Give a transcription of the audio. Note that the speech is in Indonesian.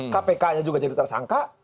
kpk nya juga jadi tersangka